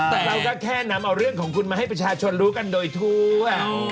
แต่เราก็แค่นำเอาเรื่องของคุณมาให้ประชาชนรู้กันโดยทั่ว